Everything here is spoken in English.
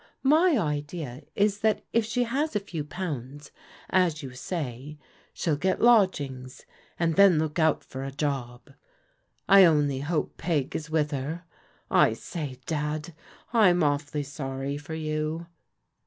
My idea is that if she has a few pounds, as you say, she'll get lodgings, and then look out for a job, I only hope Peg is with her. I say. Dad, I'm awfully sorry for you."